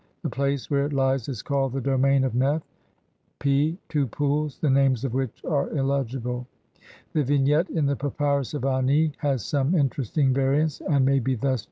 The place where it lies is called the "Domain of Neth". (p) Two Pools, the names of which are illegible. The vignette in the Papyrus of Ani (sheet 35) has some interesting variants, and may be thus described :— 1.